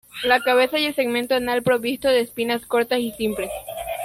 La cabeza y el segmento anal provisto de espinas cortas y simples.